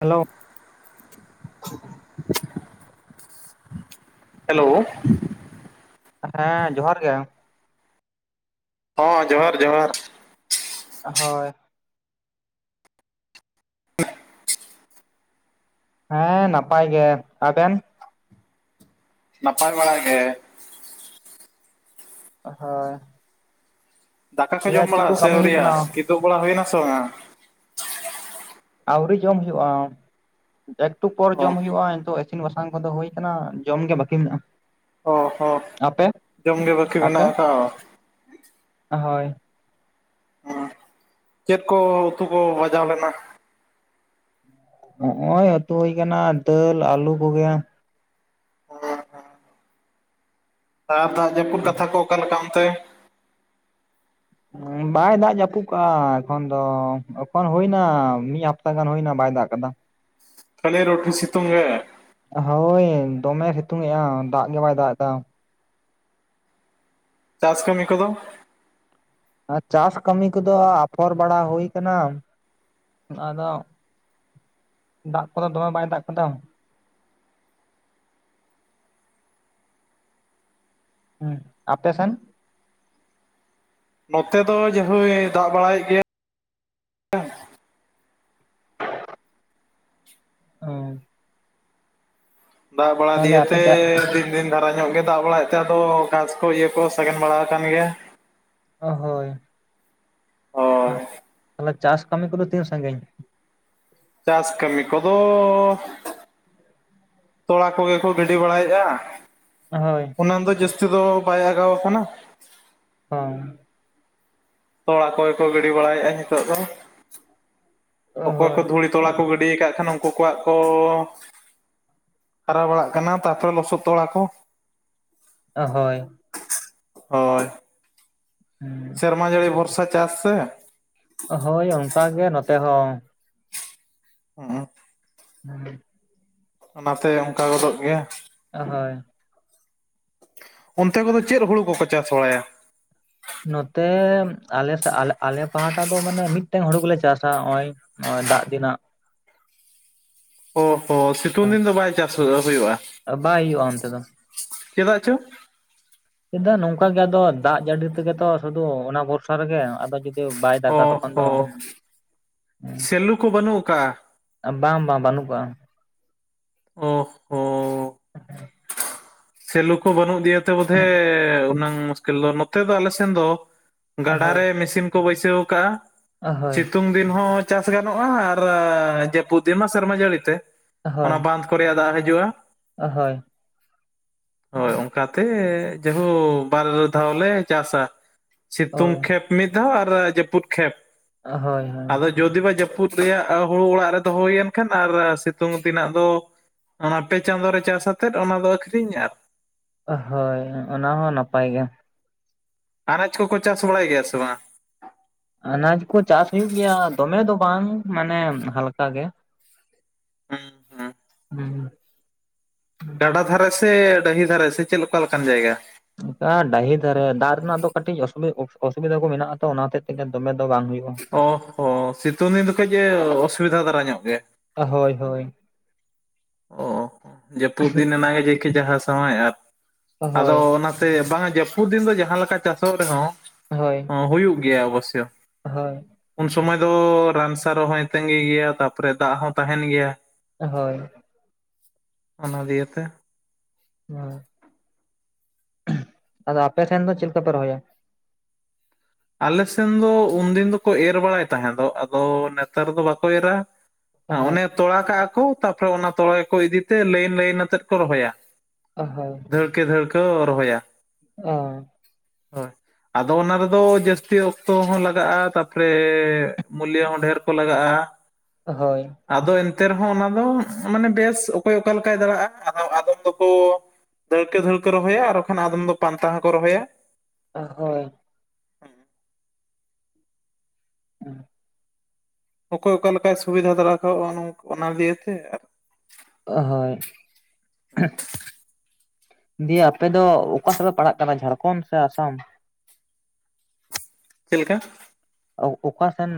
Hello hello. ᱦᱮᱸ ᱡᱚᱦᱟᱨ ᱜᱮ᱾ ᱦᱚᱸ ᱡᱚᱦᱟᱨ ᱡᱚᱦᱟᱨ᱾ ᱦᱳᱭ᱾ ᱦᱮᱸ ᱱᱟᱯᱟᱭ ᱜᱮ, ᱟᱵᱮᱱ? ᱱᱟᱯᱟᱭ ᱵᱟᱲᱟ ᱜᱮ᱾ ᱦᱳᱭ᱾ ᱫᱟᱠᱟ ᱠᱚ ᱫᱤᱭᱮ ᱡᱚᱢ ᱪᱮᱫ ᱵᱟᱲᱟ, ᱥᱮ ᱠᱟᱹᱢᱤ ᱦᱩᱭᱩᱜ ᱟᱹᱣᱨᱤᱭᱟ ᱠᱟᱱᱟ ᱠᱮᱫᱳᱜ ᱵᱟᱲᱟ ᱦᱳᱭ ᱱᱟ ᱥᱟ ᱵᱟᱝᱼᱟ? ᱟᱹᱣᱨᱤ ᱡᱚᱢ ᱦᱩᱭᱩᱜᱼᱟ ᱮᱠᱴᱩ ᱯᱚᱨ ᱚ ᱡᱚᱢ ᱦᱩᱭᱩᱜᱼᱟ [unintelligible] ᱤᱥᱤᱱ ᱵᱟᱥᱟᱝ ᱠᱚ ᱫᱚ ᱦᱳᱭ ᱠᱟᱱᱟ ᱡᱚᱢ ᱜᱮ ᱵᱟᱠᱤ ᱢᱮᱱᱟᱜᱼᱟ᱾ ᱚ ᱦᱚᱸ ᱟᱯᱮ ᱡᱚᱢ ᱜᱮ ᱵᱟᱹᱠᱤ ᱢᱮᱱᱟᱜ ᱠᱟᱜᱼᱟ ᱵᱟᱼᱼ ᱦᱚᱭ ᱪᱮᱫ ᱠᱚ ᱩᱛᱩ ᱠᱚ ᱵᱟᱡᱟᱣ ᱞᱮᱱᱟ? ᱦᱚᱸᱜᱼᱚᱭ ᱟᱹᱛᱩ ᱦᱩᱭ ᱠᱟᱱᱟ ᱫᱟᱹᱞ ᱟᱹᱞᱩ ᱠᱚ ᱜᱮ᱾ [unintelligible] ᱟᱨ ᱫᱟᱜ ᱡᱟᱹᱯᱩᱫ ᱠᱟᱛᱷᱟ ᱠᱚ ᱚᱠᱟ ᱞᱮᱠᱟ ᱚᱱᱛᱮ? ᱵᱟᱭ ᱫᱟᱜ ᱡᱟᱹᱯᱩᱫ ᱠᱟᱜᱼᱟ ᱮᱠᱷᱚᱱ ᱫᱚ, ᱮᱠᱷᱚᱱ ᱦᱩᱭᱱᱟ ᱢᱤᱫ ᱦᱟᱯᱛᱟ ᱜᱟᱱ ᱦᱩᱭᱱᱟ ᱵᱟᱭ ᱫᱟᱜ ᱠᱟᱫᱟ᱾ ᱠᱷᱟᱹᱞᱤ ᱨᱚᱴᱤ ᱥᱤᱛᱩᱝ ᱜᱮ᱾ ᱦᱳᱭ ᱫᱚᱢᱮ ᱥᱤᱛᱩᱝ ᱮᱜᱼᱟ ᱫᱟᱜ ᱜᱮ ᱵᱟᱭ ᱫᱟᱜ ᱫᱟ᱾ ᱪᱟᱥ ᱠᱟᱹᱢᱤ ᱠᱚ ᱫᱚ? ᱪᱟᱥ ᱠᱟᱹᱢᱤ ᱠᱚ ᱫᱚ ᱟᱯᱷᱚᱨ ᱵᱟᱲᱟ ᱦᱩᱭ ᱠᱟᱱᱟ ᱟᱫᱚ ᱫᱟᱜ ᱠᱚ ᱫᱚ ᱫᱚᱢᱮ ᱵᱟᱭ ᱫᱟᱜ ᱠᱟᱫᱟ᱾ ᱦᱩᱸ ᱟᱯᱮ ᱥᱮᱱ? ᱱᱚᱛᱮ ᱫᱚ ᱡᱟ ᱦᱳᱭ ᱫᱟᱜ ᱵᱟᱲᱟᱭ ᱮᱫ ᱜᱮᱭᱟ᱾ ᱦᱩᱸ ᱫᱟᱜ ᱵᱟᱲᱟ ᱛᱟᱦᱚᱞᱮ ᱫᱤᱭᱮ ᱟᱯᱮ ᱛᱮ ᱪᱟ [unintelligible] ᱫᱤᱱ ᱫᱷᱟᱨᱟ ᱧᱚᱜ ᱜᱮ ᱫᱟᱜ ᱵᱟᱲᱟᱭ ᱮᱫ ᱛᱮ ᱟᱫᱚ ᱜᱷᱟᱥ ᱠᱚ ᱤᱭᱟᱹ ᱠᱚ ᱥᱟᱜᱮᱱ ᱵᱟᱲᱟ ᱟᱠᱟᱱ ᱜᱮᱭᱟ᱾ ᱚ ᱦᱳᱭ ᱦᱳᱭ ᱛᱟᱦᱚᱞᱮ ᱪᱟᱥ ᱠᱟᱹᱢᱤ ᱠᱚ ᱫᱚ ᱛᱤᱱ ᱥᱟᱺᱜᱤᱧ? ᱪᱟᱥ ᱠᱟᱹᱢᱤ ᱠᱚ ᱫᱚ ᱛᱚᱲᱟ ᱠᱚ ᱜᱮ ᱠᱚ ᱜᱤᱰᱤ ᱵᱟᱲᱟᱭᱮᱜᱼᱟ᱾ ᱦᱳᱭ ᱚᱱᱟ ᱫᱚ ᱡᱟᱹᱥᱛᱤ ᱫᱚ ᱵᱟᱭ ᱟᱜᱟᱣ ᱠᱟᱱᱟ᱾ ᱦᱚᱸ ᱛᱚᱲᱟ ᱠᱚ ᱜᱮ ᱠᱚ ᱜᱤᱰᱤ ᱵᱟᱲᱟᱭᱮᱜᱼᱟ ᱱᱤᱛᱚᱜ ᱫᱚ, ᱚᱠᱚᱭ ᱠᱚ ᱦᱳᱭ ᱫᱷᱩᱲᱤ ᱛᱚᱞᱟ ᱠᱚ ᱜᱤᱰᱤ ᱠᱟᱜ ᱠᱷᱟᱱ ᱩᱝᱠᱩ ᱠᱚᱣᱟᱜ ᱠᱚ ᱦᱟᱨᱟ ᱵᱟᱲᱟᱜ ᱠᱟᱱᱟ ᱛᱟᱯᱚᱨᱮ ᱞᱚᱥᱚᱫ ᱛᱚᱲᱟ ᱠᱚ᱾ ᱚ ᱦᱚᱭ᱾ ᱦᱚᱭ ᱦᱩᱸ ᱥᱮᱨᱢᱟ ᱡᱟᱹᱲᱤ ᱵᱚᱨᱥᱟ ᱪᱟᱥ ᱥᱮ᱾ ᱦᱳᱭ ᱚᱝᱠᱟ ᱜᱮ ᱱᱚᱛᱮ ᱦᱚᱸ᱾ [unintelligible] [inaudible] ᱚᱱᱟ ᱛᱮ ᱚᱝᱠᱟ ᱜᱚᱫᱚᱜ ᱜᱮᱭᱟ᱾ ᱟ ᱦᱳᱭ ᱚᱱᱛᱮ ᱠᱚᱫᱚ ᱪᱮᱫ ᱦᱩᱲᱩ ᱠᱚᱠᱚ ᱪᱟᱥ ᱵᱟᱲᱟᱭᱟ ᱱᱚᱛᱮ ᱟᱞᱮ ᱥᱮ ᱟᱞᱮ ᱯᱟᱦᱴᱟ ᱫᱚ ᱢᱟᱱᱮ ᱢᱤᱫᱴᱮᱱ ᱦᱩᱲᱩ ᱜᱮᱞᱮ ᱪᱟᱥᱟ ᱱᱚᱜ-ᱚᱭ ᱱᱚᱜᱼᱚᱭ ᱫᱟᱜ ᱫᱤᱱᱟᱜ ᱚ ᱦᱚᱸ ᱥᱤᱛᱩᱝ ᱫᱤᱱ ᱫᱚ ᱵᱟᱭ ᱪᱟᱥ ᱦᱩᱭᱩᱜᱼᱟ ᱵᱟᱭ ᱦᱩᱭᱩᱜᱼᱟ ᱚᱱᱛᱮ ᱫᱚ ᱪᱮᱫᱟᱜ ᱪᱚ ᱪᱮᱫᱟᱜ ᱱᱚᱝᱠᱟ ᱜᱮ ᱟᱫᱚ ᱫᱟᱜ ᱡᱟᱹᱲᱤ ᱛᱮᱜᱮᱛᱚ ᱥᱩᱫᱷᱩ ᱚᱱᱟ ᱵᱷᱚᱨᱥᱟ ᱨᱮᱜᱮ ᱟᱫᱚ ᱡᱩᱫᱤ ᱵᱟᱭ ᱚ ᱫᱟᱜ-ᱟ ᱛᱚᱠᱷᱚᱱ ᱫᱚ ᱦᱚᱸ ᱥᱮᱞᱩ ᱠᱚ ᱵᱟᱹᱱᱩᱜ ᱟᱠᱟᱜᱼᱟ ᱵᱟᱝ ᱵᱟᱝ ᱵᱟᱹᱱᱩᱜ ᱠᱚᱣᱟ ᱚ ᱦᱚ ᱥᱮᱞᱳ ᱠᱚ ᱵᱟᱹᱱᱩᱜ ᱜᱮᱭᱟᱛᱮ ᱵᱳᱫᱷᱚᱭ ᱚᱱᱟᱹᱝ ᱢᱩᱥᱠᱤᱞ ᱫᱚ ᱱᱚᱛᱮ ᱫᱚ ᱟᱞᱮ ᱥᱮᱱ ᱫᱚ ᱜᱟᱰᱟ ᱦᱳᱭ ᱨᱮ ᱢᱮᱥᱤᱱ ᱠᱚ ᱵᱟᱹᱭᱥᱟᱹᱣ ᱟᱠᱟᱜᱼᱟ ᱥᱤᱛᱩᱝ ᱫᱤᱱ ᱦᱚᱸ ᱪᱟᱥ ᱜᱟᱱᱚᱜᱼᱟ ᱟᱨ ᱡᱟᱹᱯᱩᱫ ᱫᱤᱱ ᱢᱟ ᱥᱮᱨᱢᱟ ᱡᱟᱹᱲᱤ ᱛᱮ ᱚᱱᱟ ᱵᱟᱸᱫᱷ ᱠᱚ ᱨᱮᱭᱟᱜ ᱫᱟᱜ ᱦᱤᱡᱩᱜᱼᱟ ᱚ ᱦᱳᱭ ᱦᱳᱭ ᱚᱱᱠᱟᱛᱮ ᱡᱟᱦᱳ ᱵᱟᱨ ᱫᱷᱟᱣ ᱞᱮ ᱪᱟᱥᱟ ᱥᱤᱛᱩᱝ ᱦᱳᱭ ᱠᱷᱮᱛ ᱢᱤᱫ ᱫᱷᱟᱣ ᱟᱨ ᱡᱟᱹᱯᱩᱫ ᱠᱷᱮᱛ ᱦᱳᱭ ᱦᱳᱭ ᱡᱩᱫᱤ ᱵᱟ ᱡᱟᱹᱯᱩᱫ ᱨᱮᱭᱟᱜ ᱦᱩᱲᱩ ᱚᱲᱟᱜ ᱨᱮ ᱫᱚᱦᱚ ᱦᱩᱭᱮᱱ ᱠᱷᱟᱱ ᱟᱨ ᱥᱤᱛᱩᱝ ᱫᱤᱱᱟᱜ ᱫᱚ ᱚᱱᱟ ᱯᱮ ᱪᱟᱸᱫᱳ ᱨᱮ ᱪᱟᱥ ᱟᱛᱮᱫ ᱚᱱᱟ ᱫᱚ ᱟᱹᱠᱷᱨᱤᱧᱟ ᱚ ᱦᱳᱭ ᱚᱱᱟ ᱦᱚᱸ ᱱᱟᱯᱟᱭ ᱜᱮ ᱟᱱᱟᱡ ᱠᱚᱠᱚ ᱪᱟᱥ ᱵᱟᱲᱟᱭ ᱜᱮᱭᱟ ᱥᱮ ᱵᱟᱝ? ᱟᱱᱟᱡ ᱠᱚ ᱪᱟᱥ ᱦᱩᱭᱩᱜ ᱜᱮᱭᱟ ᱫᱚᱢᱮ ᱫᱚ ᱵᱟᱝ ᱢᱟᱱᱮ ᱦᱟᱞᱠᱟ ᱜᱮ ᱦᱩᱸ ᱦᱩᱸ ᱜᱟᱰᱟ ᱫᱷᱟᱨᱮ ᱥᱮ ᱰᱟᱹᱦᱤ ᱫᱷᱟᱨᱮ ᱥᱮ ᱪᱮᱫ ᱚᱠᱟ ᱞᱮᱠᱟᱱ ᱡᱟᱭᱜᱟ? ᱚᱱᱠᱟ ᱰᱟᱹᱦᱤ ᱫᱷᱟᱨᱮ ᱫᱟᱜ ᱨᱮᱱᱟᱜ ᱫᱚ ᱠᱟᱹᱴᱤᱡ ᱚᱥᱩᱵᱤᱫᱷᱟ ᱠᱚ ᱢᱮᱱᱟᱜ ᱛᱚ ᱚᱱᱟ ᱦᱚᱛᱮᱡ ᱛᱮᱜᱮ ᱫᱚᱢᱮ ᱫᱚ ᱵᱟᱝ ᱦᱩᱭᱩᱜᱼᱟ ᱚ ᱦᱚ ᱥᱤᱛᱩᱝ ᱫᱤᱱ ᱫᱚ ᱠᱟᱹᱡ ᱮ ᱚᱥᱩᱵᱤᱫᱟ ᱫᱷᱟᱨᱟ ᱧᱚᱜ ᱜᱮᱭᱟ ᱦᱳᱭ ᱦᱳᱭ ᱚ ᱦᱚᱸ ᱡᱟᱹᱯᱩᱫ ᱫᱤᱱ ᱮᱱᱟᱜᱮ ᱡᱮ ᱠᱮ ᱡᱟᱦᱟᱸ ᱥᱟᱶᱟᱭ ᱟᱨ ᱟᱫᱚ ᱦᱳᱭ ᱚᱱᱟ ᱛᱮ ᱵᱟᱝᱟ ᱡᱟᱹᱯᱩᱫ ᱫᱤᱱ ᱫᱚ ᱡᱟᱦᱟᱸ ᱞᱮᱠᱟ ᱪᱟᱥᱚᱜ ᱨᱮᱦᱚᱸ ᱦᱳᱭ ᱚ ᱦᱩᱭᱩᱜ ᱜᱮᱭᱟ ᱚᱵᱚᱥᱥᱳᱭ ᱦᱳᱭ ᱩᱱ ᱥᱚᱢᱚᱭ ᱫᱚ ᱨᱟᱱ ᱥᱟᱨ ᱦᱚᱸᱭ ᱛᱟᱸᱜᱤᱹ ᱜᱮᱭᱟ ᱛᱟᱯᱚᱨᱮ ᱫᱟᱜ ᱦᱚᱸ ᱛᱟᱦᱮᱱ ᱜᱮᱭᱟ ᱦᱳᱭ ᱚᱱᱟ ᱫᱤᱭᱮᱛᱮ ᱦᱳᱭ, ᱟᱫᱚ ᱟᱯᱮ ᱥᱮᱱ ᱫᱚ ᱪᱮᱫ ᱞᱮᱠᱟ ᱯᱮ ᱨᱚᱦᱚᱭᱟ? ᱟᱞ ᱥᱮᱱ ᱫᱚ ᱩᱱ ᱫᱤᱱ ᱫᱚᱠᱚ ᱮᱨ ᱵᱟᱲᱟᱭ ᱛᱟᱦᱮᱸ ᱫᱚ ᱟᱫᱚ ᱱᱮᱛᱟᱨ ᱫᱚ ᱵᱟᱠᱚ ᱮᱨᱟ ᱦᱳᱭ ᱚᱱᱮ ᱛᱚᱲᱟ ᱠᱟᱜᱼᱟᱠᱚ ᱛᱟᱨᱯᱚᱨᱮ ᱚᱱᱟ ᱛᱚᱲᱟ ᱜᱮᱠᱚ ᱤᱫᱤᱛᱮ ᱞᱟᱹᱭᱤᱱ ᱞᱟᱹᱭᱤᱱ ᱟᱛᱮᱫ ᱠᱚ ᱨᱚᱦᱚᱭᱟ ᱚ ᱦᱳᱭ ᱫᱷᱟᱹᱲᱠᱮᱹ ᱫᱷᱟᱹᱲᱠᱟᱹ ᱨᱚᱦᱚᱭᱟ ᱚᱻ ᱦᱳᱭ ᱟᱫᱚ ᱚᱱᱟ ᱨᱮᱫᱚ ᱡᱟᱹᱥᱛᱤ ᱚᱠᱛᱚ ᱦᱚᱸ ᱞᱟᱜᱟᱜᱼᱟ ᱛᱟᱯᱚᱨᱮ ᱢᱩᱞᱤᱭᱟᱹ ᱦᱚᱸ ᱰᱷᱮᱨ ᱠᱚ ᱞᱟᱜᱟᱜᱼᱟ ᱦᱳᱭ ᱟᱫᱚ ᱮᱱᱛᱮ ᱨᱮᱦᱚᱸ ᱚᱱᱟ ᱫᱚ ᱢᱟᱱᱮ ᱵᱮᱥ ᱚᱠᱚᱭ ᱚᱠᱟ ᱞᱮᱠᱟᱭ ᱫᱟᱲᱮᱜᱼᱟ ᱟᱫᱚ ᱟᱫᱚᱢ ᱫᱚᱠᱚ ᱫᱟᱹᱲᱠᱮᱹ ᱫᱷᱟᱹᱲᱠᱟᱹ ᱨᱚᱦᱚᱭᱟ ᱟᱨ ᱵᱟᱠᱷᱟᱱ ᱟᱫᱚᱢ ᱫᱚ ᱯᱟᱱᱛᱟ ᱦᱚᱸ ᱠᱚ ᱨᱚᱦᱚᱭᱟ ᱦᱳᱭ ᱦᱮᱸ ᱚᱠᱚᱭ ᱚᱠᱟ ᱞᱮᱠᱟᱭ ᱥᱩᱵᱤᱫᱷᱟ ᱫᱟᱨᱟ ᱠᱟᱜᱼᱟ ᱚᱱᱟ ᱫᱤᱭᱮᱛᱮ ᱚ ᱦᱳᱭ ᱫᱤᱭᱮ ᱟᱯᱮ ᱫᱚ ᱚᱠᱟ ᱥᱮᱫ ᱯᱮ ᱯᱟᱲᱦᱟᱜ ᱠᱟᱱᱟ ᱡᱷᱟᱲᱠᱷᱚᱱᱰ ᱥᱮ ᱟᱥᱟᱢ? ᱪᱮᱫ ᱞᱮᱠᱟ? ᱚ ᱚᱠᱟ ᱥᱮᱱ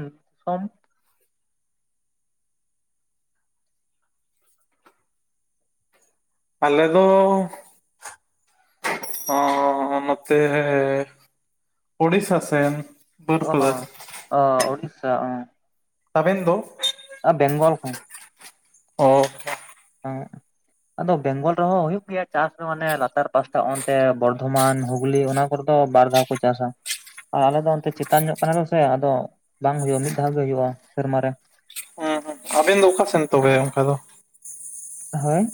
ᱥᱚᱢᱼᱼ ᱟᱞᱮ ᱫᱚᱻ ᱚᱻ ᱱᱚᱛᱮ ᱳᱲᱤᱥᱟ ᱥᱮᱱ ᱚ ᱵᱟᱹᱨᱯᱟᱫᱟ ᱚ ᱳᱲᱤᱥᱟ ᱚᱸ ᱟᱵᱤᱱ ᱫᱚ ᱵᱮᱝᱜᱚᱞ ᱠᱷᱚᱱ ᱚ ᱦᱮᱸ ᱦᱮᱸ, [inaudible] ᱟᱫᱚ ᱵᱮᱝᱜᱚᱞ ᱨᱮᱦᱚᱸ ᱦᱩᱭᱩᱜᱭ ᱜᱮᱭᱟ ᱪᱟᱥ ᱫᱚ ᱢᱟᱱᱮ ᱞᱟᱛᱟᱨ ᱯᱟᱥᱴᱟ ᱚᱱᱛᱮ ᱵᱚᱨᱫᱷᱚᱢᱟᱱ ᱦᱩᱜᱽᱞᱤ ᱚᱱᱟ ᱠᱚᱨᱮ ᱛᱚ ᱵᱟᱨ ᱫᱷᱟᱣ ᱠᱚ ᱪᱟᱥᱟ ᱟᱨ ᱟᱞᱮᱚ ᱫᱚ ᱚᱱᱛᱮ ᱪᱮᱛᱟᱱ ᱧᱚᱜ ᱠᱟᱱᱟᱞᱮ ᱥᱮ ᱟᱫᱚ ᱵᱟᱝ ᱦᱩᱭᱩᱜᱼᱟ ᱢᱤᱫ ᱫᱷᱟᱣ ᱜᱮ ᱦᱩᱭᱩᱜᱼᱟ ᱥᱮᱨᱢᱟᱨᱮ ᱟᱵᱮᱱ ᱫᱚ ᱚᱠᱟ ᱥᱮᱱ ᱛᱚᱵᱮ ᱚᱱᱠᱟ ᱫᱚ ᱦᱳᱭ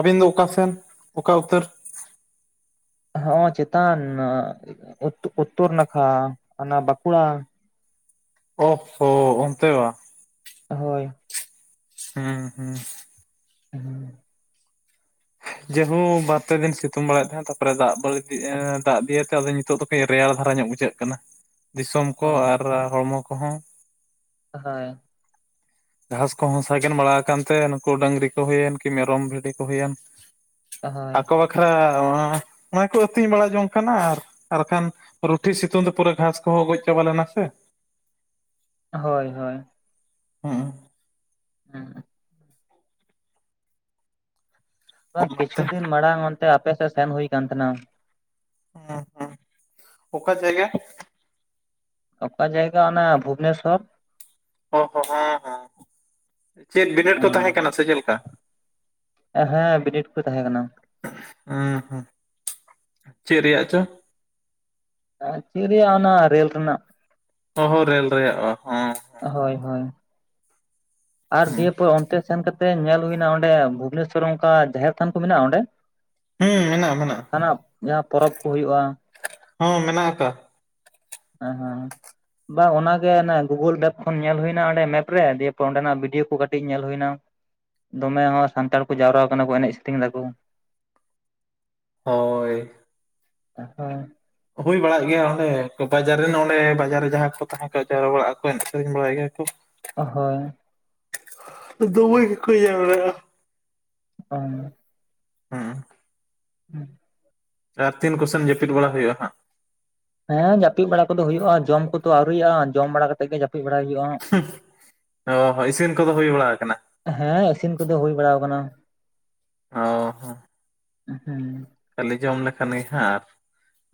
ᱟᱵᱤᱱ ᱫᱚ ᱚᱠᱟᱥᱮᱱ ᱚᱠᱟ ᱩᱛᱟᱹᱨ ᱦᱚᱸᱜᱚ ᱪᱮᱛᱟᱱ ᱩᱛᱛᱚᱨ ᱱᱟᱠᱷᱟ ᱚᱱᱟ ᱵᱟᱸᱠᱩᱲᱟ ᱳᱜ ᱦᱳ ᱚᱱᱛᱮ ᱵᱟ ᱦᱳᱭ ᱦᱩᱸᱢ ᱦᱩᱸᱢ [unintelligible] ᱡᱮ ᱦᱳ ᱵᱟᱨ ᱯᱮ ᱫᱤᱱ ᱥᱤᱛᱩᱝ ᱵᱟᱲᱟᱭᱮᱫ ᱛᱟᱦᱮᱸᱜ ᱛᱟᱯᱚᱨᱮ ᱫᱟᱜ ᱵᱟᱲᱛᱤ ᱫᱟᱜ ᱫᱤᱭᱮᱛᱮ ᱟᱫᱚ ᱱᱤᱛᱚᱜ ᱫᱚ ᱠᱟᱹᱡ ᱨᱮᱭᱟᱲ ᱫᱷᱟᱨᱟ ᱧᱚᱜ ᱵᱩᱡᱷᱟᱹᱜ ᱠᱟᱱᱟ ᱫᱤᱥᱚᱢ ᱠᱚ ᱦᱳᱭ ᱟᱨ ᱦᱚᱲᱢᱚ ᱠᱚᱦᱚᱸ ᱦᱚᱭ ᱜᱷᱟᱸᱥ ᱠᱚᱦᱚᱸ ᱥᱟᱜᱮᱱ ᱵᱟᱲᱟ ᱠᱟᱱ ᱛᱮ ᱱᱩᱠᱩ ᱰᱟᱹᱝᱨᱤ ᱠᱚ ᱦᱩᱭᱮᱱ ᱠᱤ ᱢᱮᱨᱚᱢ ᱵᱷᱤᱰᱤ ᱠᱚ ᱦᱩᱭᱮᱱ ᱦᱳᱭ ᱟᱠᱚ ᱵᱟᱠᱷᱨᱟ ᱚᱱᱟ ᱚᱱᱟ ᱠᱚ ᱟᱹᱛᱤᱧ ᱵᱟᱲᱟ ᱡᱚᱝ ᱠᱟᱱᱟ ᱟᱨ ᱟᱨᱠᱷᱟᱱ ᱨᱩᱴᱷᱤ ᱥᱤᱛᱩᱝ ᱛᱮ ᱯᱩᱨᱟᱹ ᱜᱷᱟᱸᱥ ᱠᱚᱦᱚᱸ ᱜᱚᱡ ᱪᱟᱵᱟ ᱞᱮᱱᱟ ᱥᱮ ᱦᱚᱭ ᱦᱚᱭ ᱦᱩᱸ ᱦᱩᱸᱢ ᱵᱟᱝ ᱠᱤᱪᱷᱩ ᱚᱱᱟᱛᱮ ᱫᱤᱱ ᱢᱟᱲᱟᱝ ᱚᱱᱛᱮ ᱟᱯ ᱥᱮᱫ ᱥᱮᱱ ᱦᱩᱭ ᱠᱟᱱ ᱛᱟᱦᱮᱱᱟ [unintelligible] ᱚᱠᱟ ᱡᱟᱭᱜᱟ ᱚᱠᱟ ᱡᱟᱭᱜᱟ ᱚᱱᱟ ᱵᱷᱩᱵᱱᱮᱥᱚᱨ ᱚ ᱦᱚ ᱦᱚᱸᱦᱚᱸ ᱪᱮᱫ ᱵᱤᱱᱤᱰ ᱠᱚ ᱛᱟᱦᱮᱸ ᱠᱟᱱᱟ ᱥᱮ ᱪᱮᱫ ᱞᱮᱠᱟ ᱦᱮᱸ ᱵᱤᱱᱤᱰ ᱠᱚ ᱛᱟᱦᱮᱸ ᱠᱟᱱᱟ ᱩᱸ ᱦᱩᱸ ᱪᱮᱫ ᱨᱮᱭᱟᱜ ᱪᱚ ᱦᱮᱸ ᱪᱮᱫ ᱨᱮᱭᱟᱜ ᱟᱱᱟ ᱨᱞ ᱨᱮᱱᱟᱜ ᱚ ᱦᱚ ᱨᱮᱞ ᱨᱮᱭᱟᱜ ᱦᱚᱸ ᱦᱚᱭ ᱦᱚᱭ ᱟᱨ ᱦᱩᱸ ᱫᱤᱭᱮ ᱯᱚᱨ ᱚᱱᱛᱮ ᱥᱮᱱ ᱠᱟᱛᱮ ᱧᱮᱞ ᱦᱩᱭᱱᱟ ᱚᱸᱰᱮ ᱵᱷᱩᱵᱽᱱᱮᱥᱚᱨ ᱚᱝᱠᱟ ᱡᱟᱦᱮᱨ ᱛᱷᱟᱱ ᱠᱚ ᱢᱮᱱᱟᱜᱼᱟ ᱚᱸᱰᱮ ᱦᱩᱸ ᱢᱮᱱᱟᱜᱼᱟ ᱢᱮᱱᱟᱜᱼᱟ ᱡᱟᱦᱟᱱᱟᱜ ᱡᱟᱦᱟᱸ ᱯᱚᱨᱚᱵᱽ ᱠᱚ ᱦᱩᱭᱩᱜᱼᱟ ᱦᱚᱸ ᱢᱮᱱᱟᱜ ᱠᱟᱜᱼᱟ ᱦᱮᱸ ᱦᱮᱸ ᱵᱟ ᱚᱱᱟ ᱜᱮ ᱜᱩᱜᱩᱞ ᱢᱮᱯ ᱠᱷᱚᱱ ᱧᱮᱞ ᱦᱩᱭ ᱮᱱᱟ ᱚᱸᱰᱮ ᱢᱮᱯ ᱨᱮ ᱫᱤᱭᱮᱯᱚᱨ ᱚᱸᱰᱮᱱᱟᱜ ᱵᱷᱤᱰᱭᱳ ᱠᱚ ᱠᱟᱹᱴᱤᱡ ᱧᱮᱞ ᱦᱩᱭᱱᱟ ᱫᱚᱢᱮ ᱦᱚᱸ ᱥᱟᱱᱛᱟᱲ ᱠᱚ ᱡᱟᱣᱨᱟ ᱠᱟᱱᱟ ᱠᱚ ᱮᱱᱮᱡ ᱥᱤᱨᱤᱧ ᱫᱟᱠᱚ ᱦᱳᱭ ᱦᱳᱭ ᱦᱩᱭ ᱵᱟᱲᱟᱜ ᱜᱮᱭᱟ ᱚᱸᱰᱮ ᱛᱚ ᱵᱟᱡᱟᱨ ᱨᱮᱱ ᱚᱸᱰᱮ ᱵᱟᱡᱟᱨ ᱨᱮ ᱡᱟᱦᱟᱸ ᱠᱚ ᱛᱟᱦᱮᱸ ᱠᱚᱜ ᱡᱟᱣᱨᱟ ᱵᱟᱲᱟᱜᱼᱟ ᱠᱚ ᱮᱱᱮᱡ ᱥᱮᱨᱮᱧ ᱵᱟᱲᱟᱭ ᱜᱮᱭᱟ ᱠᱚ ᱦᱚᱭ ᱫᱚᱢᱮ ᱜᱮᱠᱚ ᱡᱟᱣᱨᱟ-ᱟ ᱚ ᱦᱩᱸ ᱦᱩᱸ ᱟᱨ ᱛᱤᱱ ᱠᱚ ᱥᱮᱱ ᱡᱟᱹᱯᱤᱫ ᱵᱟᱲᱟ ᱦᱩᱭᱩᱜᱼᱟ ᱦᱟᱸᱜ? ᱦᱮᱸ ᱡᱟᱹᱯᱤᱫ ᱵᱟᱲᱟ ᱠᱚᱫᱚ ᱦᱩᱭᱩᱜᱼᱟ ᱡᱚᱢ ᱠᱚᱫᱚ ᱟᱹᱣᱨᱤᱭᱟᱜᱼᱟ ᱡᱚᱢ ᱵᱟᱲᱟ ᱠᱟᱛᱮᱜ ᱜᱮ ᱡᱟᱹᱯᱤᱫ ᱵᱟᱲᱟ ᱦᱩᱭᱩᱜᱼᱟ ᱦᱟᱸᱜ ᱚ ᱦᱚᱸ ᱤᱥᱤᱱ ᱠᱚᱫᱚ ᱦᱩᱭ ᱵᱟᱲᱟ ᱟᱠᱟᱱᱟ ᱦᱮᱸ ᱤᱥᱤᱱ ᱠᱚᱫᱚ ᱦᱩᱭ ᱵᱟᱲᱟ ᱟᱠᱟᱱᱟ ᱚ ᱦᱚᱸ ᱦᱩᱸ ᱠᱷᱟᱹᱞᱤ ᱡᱚᱢ ᱞᱮᱠᱷᱟᱱ ᱜᱮ ᱦᱟᱸᱜ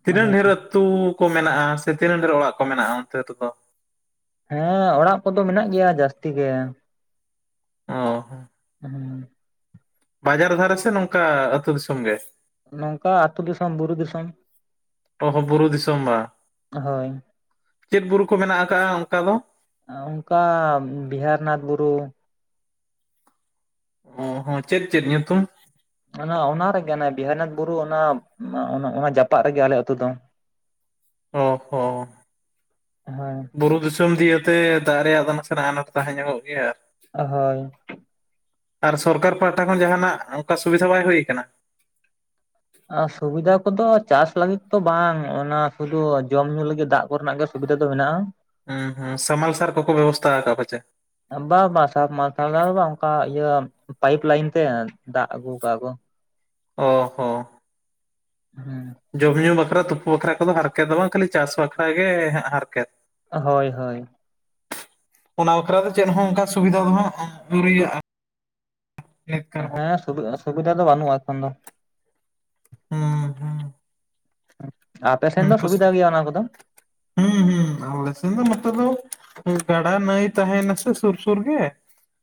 ᱛᱤᱱᱟᱹᱱ ᱰᱷᱮᱨᱚᱜ? ᱟᱹᱛᱩ ᱠᱚ ᱢᱮᱱᱟᱜᱼᱟ ᱥᱮ ᱛᱤᱱᱟᱹᱜ ᱰᱷᱮᱨ ᱚᱲᱟᱜ ᱠᱚ ᱢᱮᱱᱟᱜᱼᱟ ᱚᱱᱛᱮ ᱨᱮᱫᱚ? ᱦᱮᱸ ᱚᱲᱟᱜ ᱠᱚᱫᱚ ᱢᱮᱱᱟᱜ ᱜᱮᱭᱟ ᱡᱟᱹᱥᱛᱤ ᱜᱮ ᱚ ᱦᱩᱸ ᱵᱟᱡᱟᱨ ᱫᱷᱟᱨᱟ ᱥᱮ ᱱᱚᱝᱠᱟ ᱟᱹᱛᱩ ᱫᱤᱥᱚᱢ ᱜᱮ? ᱱᱚᱝᱠᱟ ᱟᱹᱛᱩ ᱫᱤᱥᱚᱢ ᱵᱩᱨᱩ ᱫᱤᱥᱚᱢ ᱚ ᱦᱚᱸ ᱵᱩᱨᱩ ᱫᱤᱥᱚᱢ ᱵᱟ। ᱦᱳᱭ ᱪᱮᱫ ᱵᱩᱨᱩ ᱠᱚ ᱢᱮᱱᱟᱜ ᱟᱠᱟᱜᱼᱟ ᱚᱱᱠᱟ ᱫᱚ? ᱟ ᱚᱱᱠᱟ ᱵᱤᱦᱟᱨᱤᱱᱟᱛᱷ ᱵᱩᱨᱩ ᱚ ᱦᱚᱸ ᱪᱮᱫ ᱪᱮᱫ ᱧᱩᱛᱩᱢ? ᱚᱱᱟ ᱚᱱᱟ ᱨᱮᱜᱮ ᱵᱤᱦᱟᱨᱤᱱᱟᱛᱷ ᱵᱩᱨᱩ ᱚᱱᱟ ᱚᱱᱟ ᱡᱟᱯᱟᱜ ᱨᱮᱜᱮ ᱟᱞᱮ ᱟᱹᱛᱩ ᱫᱚ। ᱚ ᱦᱚᱸ ᱦᱳᱭ ᱵᱩᱨᱩ ᱫᱤᱥᱚᱢ ᱫᱤ ᱛᱮ ᱫᱟᱨᱮ ᱨᱮᱭᱟᱜ ᱫᱚ ᱱᱟᱥᱮᱱᱟᱜ ᱟᱱᱟᱴ ᱛᱟᱦᱮᱸ ᱧᱚᱜᱚᱜ ᱜᱮᱭᱟ ᱟᱨ ᱦᱳᱭ ᱟᱨ ᱥᱚᱨᱠᱟᱨ ᱯᱟᱦᱟᱴᱟ ᱠᱷᱚᱱ ᱡᱟᱦᱟᱱᱟᱜ ᱚᱱᱠᱟ ᱥᱩᱵᱤᱫᱷᱟ ᱵᱟᱭ ᱦᱩᱭᱩ ᱟᱠᱟᱱᱟ? ᱟᱨ ᱥᱩᱵᱤᱫᱷᱟ ᱠᱚᱫᱚ ᱪᱟᱥ ᱞᱟᱹᱜᱤᱫ ᱛᱚ ᱵᱟᱝ ᱚᱱᱟ ᱥᱩᱫᱩ ᱡᱚᱢ ᱧᱩ ᱞᱟᱹᱜᱤᱫ ᱫᱟᱜ ᱠᱚᱨᱮᱱᱟᱜ ᱜᱮ, ᱥᱩᱵᱤᱫᱷᱟ ᱫᱚ ᱢᱮᱱᱟᱜ ᱟ। ᱦᱩᱸ ᱦᱩᱸ ᱥᱟᱢᱢᱟᱞᱥᱟᱨ ᱠᱚᱠᱚ ᱵᱮᱵᱚᱥᱛᱷᱟ ᱟᱠᱟᱜ-ᱟ ᱯᱟᱪᱮ? ᱵᱟ ᱵᱟ ᱥᱟᱵᱢᱟᱨᱥᱟᱞ [unintelligible] ᱵᱟᱝ ᱚᱱᱠᱟ ᱤᱭᱟᱹ ᱯᱟᱭᱤᱯ ᱞᱟᱭᱤᱱ ᱛᱮ ᱫᱟᱜ ᱟᱹᱜᱩ ᱠᱟᱜ ᱟᱠᱚ ᱚ ᱦᱚ ᱦᱩᱸ ᱡᱚᱢᱼᱧᱩ ᱵᱟᱠᱷᱨᱟ ᱛᱩᱯᱩ ᱵᱟᱠᱷᱨᱟ ᱠᱚᱫᱚ ᱦᱟᱨᱠᱮᱛ ᱫᱚ ᱵᱟᱝ ᱠᱷᱟᱹᱞᱤ ᱪᱟᱥ ᱵᱟᱠᱷᱨᱟ ᱜᱮ ᱦᱟᱨᱠᱮᱛ। ᱦᱳᱭ ᱦᱳᱭ ᱚᱱᱟ ᱵᱟᱠᱷᱨᱟ ᱫᱚ ᱪᱮᱫ ᱦᱚᱸ ᱚᱱᱠᱟ ᱥᱩᱵᱤᱫᱟ ᱫᱚ ᱦᱟᱸᱜ ᱟᱹᱣᱨᱤᱭᱟᱜᱼᱟ ᱱᱮᱛᱠᱟᱨ ᱦᱮᱸ ᱥᱩᱵᱤᱫᱷᱟ ᱫᱚ ᱵᱟᱹᱱᱩᱜᱼᱟ ᱮᱠᱷᱚᱱ ᱫᱚ ᱦᱩᱸ ᱦᱮᱸ ᱟᱯᱮ ᱥᱮᱱ ᱫᱚ ᱥᱩᱵᱤᱫᱟ ᱜᱮᱭᱟ ᱚᱱᱟ ᱠᱚᱫᱚ? ᱦᱩᱸ ᱦᱩᱸ ᱦᱩᱸ ᱟᱞᱮ ᱥᱮᱱ ᱫᱚ ᱱᱚᱛᱮ ᱫᱚ ᱜᱟᱰᱟ ᱱᱟᱹᱭ ᱛᱟᱦᱮᱱᱟ ᱥᱮ ᱥᱩᱨ ᱥᱩᱨ ᱜᱮ,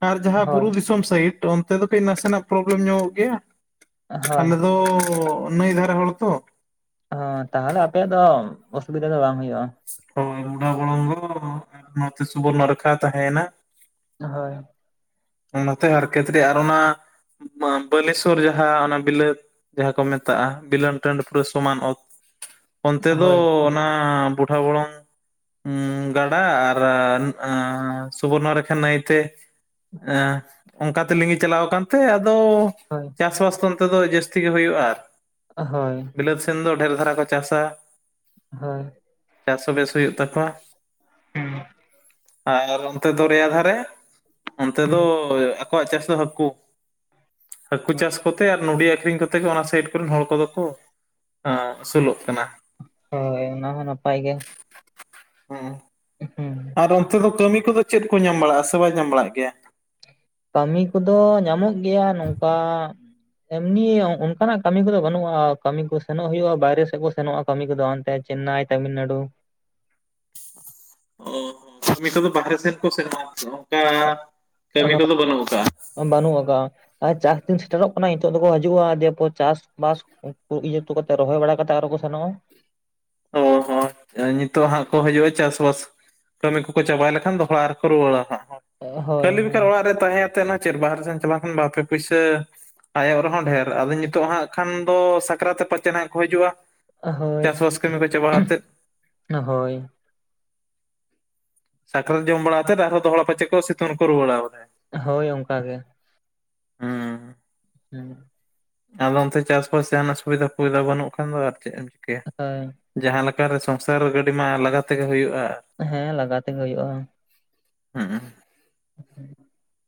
ᱟᱨ ᱡᱟᱦᱟᱸ ᱦᱳᱭ ᱵᱩᱨᱩ ᱫᱤᱥᱚᱢ ᱥᱟᱭᱤᱰ ᱚᱱᱛᱮ ᱫᱚ ᱠᱟᱹᱡ ᱱᱟᱥᱮᱱᱟᱜ ᱯᱨᱚᱵᱞᱮᱢ ᱧᱟᱢᱚᱜ ᱜᱮᱭᱟ। ᱦᱳᱭ ᱟᱞᱮ ᱫᱚ ᱱᱟᱹᱭ ᱫᱷᱟᱨᱮ ᱦᱚᱲ ᱛᱚ ᱦᱚᱸ ᱛᱟᱦᱚᱞᱮ ᱟᱯᱮᱭᱟᱜ ᱫᱚ ᱚᱥᱩᱵᱤᱫᱟ ᱫᱚ ᱵᱟᱝ ᱦᱩᱭᱩᱜᱼᱟ। [unintelligible] ᱱᱚᱛᱮ ᱥᱩᱵᱚᱨᱱᱚᱨᱮᱠᱷᱟ ᱛᱟᱦᱮᱭᱱᱟ ᱦᱳᱭ ᱚᱱᱟᱛᱮ ᱦᱟᱨᱠᱮᱛ ᱨᱮ ᱟᱨ ᱚᱱᱟ ᱵᱟᱞᱮᱥᱚᱨ ᱡᱟᱦᱟᱸ ᱚᱱᱟ ᱵᱤᱞᱟᱹᱛ ᱡᱟᱦᱟᱸ ᱠᱚ ᱢᱮᱛᱟᱜᱼᱟ ᱵᱤᱞᱟᱹᱱ ᱴᱟᱺᱰᱤ ᱯᱩᱨᱟᱹ ᱥᱚᱢᱟᱱ ᱚᱛ ᱚᱱᱛᱮ ᱫᱚ ᱦᱳᱭ ᱚᱱᱟ ᱵᱩᱴᱟ ᱵᱚᱞᱚᱝ ᱩ ᱜᱟᱰᱟ ᱟᱨ ᱮᱸ ᱥᱩᱵᱚᱨᱱᱚᱨᱮᱠᱷᱟ ᱱᱟᱹᱭᱛᱮ ᱮᱸ ᱚᱱᱠᱟ ᱛᱮ ᱞᱤᱸᱜᱤ ᱪᱟᱞᱟᱣ ᱟᱠᱟᱱ ᱛᱮ ᱟᱫᱚ ᱦᱳᱭ ᱪᱟᱥᱵᱟᱥ ᱫᱚ ᱚᱱᱛᱮ ᱫᱚ ᱡᱟᱹᱥᱛᱤ ᱜᱮ ᱦᱩᱭᱩᱜᱼᱟ ᱦᱳᱭ ᱵᱤᱞᱟᱹᱛ ᱥᱮᱱ ᱫᱚ ᱰᱷᱮᱨ ᱫᱷᱟᱨᱟ ᱠᱚ ᱪᱟᱥᱟ ᱦᱳᱭ ᱪᱟᱥ ᱦᱚᱸᱵᱮᱥ ᱦᱩᱭᱩᱜ ᱛᱟᱠᱚᱣᱟ ᱦᱩᱸ ᱟᱨ ᱚᱱᱛᱮ ᱫᱚᱨᱮᱭᱟ ᱫᱷᱟᱨᱮ, ᱚᱱᱛᱮ ᱦᱩᱸ ᱫᱚ ᱟᱠᱚᱣᱟᱜ ᱪᱟᱥ ᱫᱚ ᱦᱟᱹᱠᱳ᱾ ᱦᱟᱹᱠᱩ ᱦᱩᱸ ᱪᱟᱥ ᱠᱚᱛᱮ ᱟᱨ ᱱᱩᱲᱤ ᱟᱹᱠᱷᱨᱤᱧ ᱠᱚᱛᱮ ᱜᱮ ᱚᱱᱟ ᱥᱟᱭᱤᱰ ᱛᱮᱨᱮᱱ ᱦᱚᱲ ᱠᱩᱫᱚ ᱠᱚ ᱮᱸ ᱟᱹᱥᱩᱞᱚᱜ ᱠᱟᱱᱟ? ᱦᱳᱭ ᱚᱱᱟ ᱦᱚᱸ ᱱᱟᱯᱟᱭ ᱜᱮ᱾ ᱦᱮᱸ--᱾ ᱦᱮᱸ--᱾ ᱟᱨ ᱚᱱᱛᱮ ᱫᱚ ᱠᱟᱹᱢᱤ ᱠᱚᱫᱚ ᱪᱮᱫ ᱠᱚ ᱧᱟᱢ ᱵᱟᱲᱟᱜᱼᱟ, ᱥᱮ ᱵᱟᱭ ᱧᱟᱢ ᱵᱟᱲᱟᱜ ᱜᱮᱭᱟ? ᱠᱟᱹᱢᱤ ᱠᱚᱫᱚ ᱧᱟᱢᱚᱜ ᱜᱮᱭᱟ ᱱᱚᱝᱠᱟ ᱮᱢᱱᱤ ᱚᱱᱠᱟᱱᱟᱜ ᱠᱟᱹᱢᱤ ᱠᱚᱫᱚ ᱵᱟᱹᱱᱩᱜ-ᱟ᱾ ᱠᱟᱹᱢᱤ ᱠᱚ ᱥᱮᱱᱚᱜ ᱦᱩᱭᱩᱜ-ᱟ ᱵᱟᱭᱨᱮ ᱥᱮᱫ ᱠᱚ ᱥᱮᱱᱚᱜ-ᱟ᱾ ᱠᱟᱹᱢᱤ ᱠᱚᱫᱚ ᱚᱱᱛᱮ ᱪᱮᱱᱱᱟᱭ ᱛᱟᱹᱢᱤᱞᱱᱟᱲᱩ᱾ ᱚ ᱠᱟᱹᱢᱤ ᱥᱚᱫᱚ ᱵᱟᱦᱟᱨᱮ ᱥᱮᱱ ᱠᱚ ᱥᱮᱱᱚᱜᱼᱟ᱾ ᱚᱱᱠᱟ ᱠᱟᱹᱢᱤ ᱠᱚᱫᱚ ᱵᱟᱹᱱᱩᱜ ᱟᱠᱟᱜ-ᱟ᱾ ᱵᱟᱹᱱᱩᱜ ᱟᱠᱟᱜ-ᱟ, ᱟᱨ ᱪᱟᱥ ᱫᱤᱱ ᱥᱮᱴᱮᱨᱚᱜ ᱠᱟᱱᱟ ᱱᱤᱛᱚᱜ ᱫᱚᱠᱚ ᱦᱤᱡᱩᱜᱼᱟ᱾ ᱫᱤᱭᱮ ᱮᱯᱚᱨ ᱪᱟᱥᱵᱟᱥ ᱩᱱᱠᱩ ᱤᱭᱟᱹ ᱴᱚ ᱠᱟᱛᱮᱫ, ᱨᱚᱦᱚᱭ ᱵᱟᱲᱟ ᱠᱟᱛᱮ ᱟᱨᱚ ᱠᱚ ᱥᱮᱱᱚᱜ-ᱟ᱾ ᱚ ᱦᱚᱸ ᱱᱤᱛᱚᱜ ᱦᱟᱸᱜ ᱠᱚ ᱦᱤᱡᱩᱜ-ᱟ᱾ ᱪᱟᱥ ᱵᱟᱥ ᱠᱟᱹᱢᱤ ᱠᱚᱠᱚ ᱪᱟᱵᱟ ᱞᱮᱠᱷᱟᱱ ᱫᱚ ᱦᱟᱸᱜ ᱟᱨᱦᱚᱸ ᱠᱚ ᱨᱩᱣᱟᱹᱲᱟ᱾ ᱦᱟᱸᱜ ᱦᱳᱭ ᱠᱷᱟᱹᱞᱤ ᱵᱮᱠᱷᱟᱨ ᱦᱳᱭ ᱚᱲᱟᱜ ᱨᱮ ᱛᱟᱦᱮᱸ ᱟᱛᱮ ᱱᱟ ᱪᱮᱫ, ᱵᱟᱦᱟᱨᱮ ᱥᱮᱱ ᱪᱟᱞᱟᱣ ᱞᱮᱠᱷᱟᱱ ᱵᱟᱨᱯᱮ ᱯᱩᱭᱥᱟᱹ ᱟᱭᱚᱜ ᱨᱮᱦᱚᱸ ᱰᱷᱮᱨ, ᱟᱫᱚ ᱱᱤᱛᱚᱜ ᱦᱟᱸᱜ ᱠᱷᱟᱱ ᱫᱚ ᱥᱟᱠᱨᱟᱛ ᱛᱮ ᱯᱟᱪᱮ ᱦᱟᱸᱜ ᱠᱚ ᱦᱤᱡᱩᱜ-ᱟ᱾ ᱦᱳᱭ--᱾ ᱠᱚ ᱟᱛᱮᱫ᱾ ᱦᱳᱭ᱾ ᱥᱟᱠᱨᱟᱛ ᱡᱚᱢ ᱵᱟᱲᱟ ᱠᱟᱛᱮᱫ, ᱟᱨᱦᱚᱸ ᱫᱚᱦᱚᱲᱟ ᱛᱮ ᱯᱟᱪᱮ ᱠᱚ ᱥᱤᱛᱩᱝ ᱨᱮᱠᱚ ᱨᱩᱣᱟᱹᱲᱟ ᱵᱚᱞᱮ ᱦᱳᱭ ᱚᱱᱠᱟ ᱜᱮ᱾ ᱦᱩᱸ ᱦᱩᱸ᱾ ᱟᱫᱚ ᱚᱱᱛᱮ ᱪᱟᱥᱵᱟᱥ ᱡᱟᱦᱟᱱᱟᱜ ᱥᱩᱵᱤᱫᱷᱟ ᱚᱱᱠᱟ ᱵᱟᱹᱱᱩᱜ ᱠᱷᱟᱱ ᱫᱚ ᱟᱨ ᱪᱮᱫ ᱮᱢ ᱪᱤᱠᱟᱹᱭᱟ? ᱦᱳᱭ ᱡᱟᱦᱟᱸ ᱞᱮᱠᱟ ᱨᱮ ᱥᱚᱝᱥᱟᱨ ᱜᱟᱹᱰᱤ ᱢᱟ ᱞᱟᱜᱟ ᱛᱮᱜᱮ ᱦᱳᱭᱳᱜ-ᱟ᱾ ᱦᱮᱸ ᱞᱟᱜᱟ ᱛᱮᱜᱮ ᱦᱳᱭᱳᱜ-ᱟ᱾ ᱦᱩᱸᱻ᱾ [inaudible]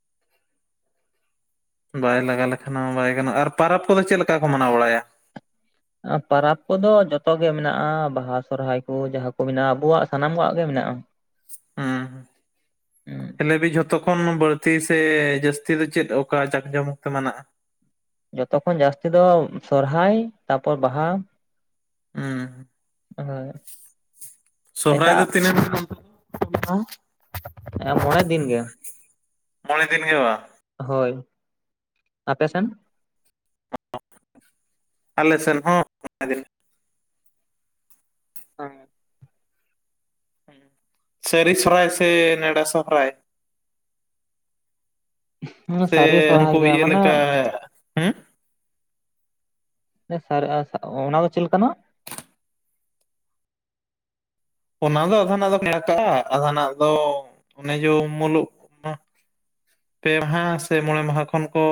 ᱵᱟᱭ ᱞᱟᱜᱟ ᱞᱮᱠᱷᱟᱱ ᱢᱟ ᱵᱟᱭ ᱜᱟᱱᱚᱜᱼᱟ᱾ ᱟᱨ ᱯᱟᱨᱟᱵᱽ ᱠᱚᱫᱚ ᱪᱮᱫ ᱞᱮᱠᱟ ᱠᱚ ᱢᱟᱱᱟᱣ ᱵᱟᱲᱟᱭᱟ? ᱟᱨ ᱯᱟᱨᱟᱵᱽ ᱠᱚᱫᱚ ᱡᱚᱛᱚ ᱜᱮ ᱢᱮᱱᱟᱜ-ᱟ, ᱵᱟᱦᱟ ᱥᱚᱦᱚᱨᱟᱭ ᱠᱩ ᱡᱟᱦᱟᱸ ᱠᱚ ᱢᱮᱱᱟᱜ-ᱟ ᱟᱵᱚᱣᱟᱜ ᱥᱟᱱᱟᱢ ᱠᱚᱣᱟᱜ ᱜᱮ ᱢᱮᱱᱟᱜ-ᱟ᱾ ᱦᱩᱸᱻ᱾ ᱦᱩᱸ ᱦᱮ ᱞᱟᱹᱭᱵᱤᱱ ᱡᱷᱚᱛᱚ ᱠᱷᱚᱱ ᱵᱟᱹᱲᱛᱤ ᱥᱮ ᱡᱟᱹᱥᱛᱤ ᱫᱚ ᱪᱮᱫ ᱚᱠᱟ ᱡᱟᱠ ᱡᱚᱢᱚᱠ ᱛᱮ ᱢᱮᱱᱟᱜ-ᱟ? ᱡᱚᱛᱚᱠᱷᱚᱱ ᱡᱟᱹᱥᱛᱤ ᱫᱚ ᱥᱚᱨᱦᱟᱭ, ᱛᱟᱯᱚᱨ ᱵᱟᱦᱟ᱾ ᱦᱩᱸᱻ᱾ ᱦᱮᱸᱻ᱾ ᱥᱚᱦᱚᱨᱟᱭ ᱫᱚ ᱛᱤᱱᱟᱹᱜ ᱫᱤᱱ ᱯᱮ ᱢᱟᱱᱟᱣᱼᱟ? ᱦᱮᱸ ᱢᱚᱬᱮ ᱫᱤᱱ ᱜᱮ᱾ ᱢᱚᱬᱮ ᱫᱤᱱ ᱜᱮ ᱵᱟᱝ? ᱦᱳᱭᱻ ᱟᱯᱮᱥᱮᱱ? ᱟᱞᱮ ᱥᱮᱱ ᱦᱚᱸ ᱢᱚᱬᱮ ᱫᱤᱱ᱾ ᱦᱮᱸᱻ᱾ ᱥᱟᱹᱨᱤ ᱥᱚᱨᱚᱦᱟᱭ ᱥᱮ, ᱱᱮᱸᱰᱟ ᱥᱚᱦᱚᱨᱟᱭ? ᱥᱮ ᱥᱟᱹᱨᱤ ᱥᱚᱨᱦᱟᱭ ᱩᱱᱠᱩ ᱜᱮ ᱤᱭᱟᱹ ᱢᱟᱱᱮ ᱞᱮᱠᱟ ᱦᱩᱸ? ᱚᱱᱟ ᱫᱚ ᱪᱮᱫ ᱞᱮᱠᱟᱱᱟᱜ? ᱚᱱᱟ ᱫᱚ ᱟᱫᱷᱟ ᱱᱟᱜ ᱫᱚ ᱱᱮᱣᱛᱟ, ᱟᱫᱷᱷᱟ ᱱᱟᱜ ᱫᱚ ᱚᱱᱮ ᱡᱳ ᱢᱩᱞᱩᱜ ᱢᱟ ᱯᱮ ᱢᱟᱦᱟ ᱥᱮ ᱢᱚᱬᱮ ᱢᱟᱦᱟ ᱠᱷᱚᱱ ᱠᱚ